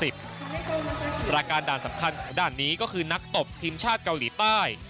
รายการด่านสำคัญของด่านนี้ก็คือนักตบทีมชาติเกาหลีใต้